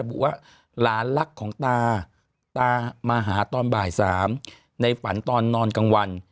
บุว่าหลานรักของตาตามาหาตอนบ่าย๓ในฝันตอนนอนกลางวัน